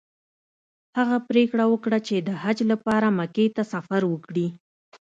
هغه پریکړه وکړه چې د حج لپاره مکې ته سفر وکړي.